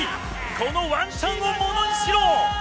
このワンチャンをものにしろ。